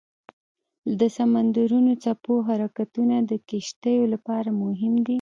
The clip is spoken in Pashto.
د سمندرونو څپو حرکتونه د کشتیو لپاره مهم دي.